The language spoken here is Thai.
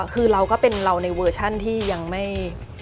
คือเราก็เป็นเราในเวอร์ชันที่ยังไม่